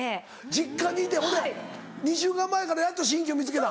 実家にいてほんで２週間前からやっと新居見つけた？